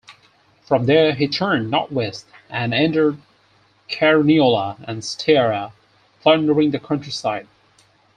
From there he turned northwest and entered Carniola and Styria, plundering the countryside.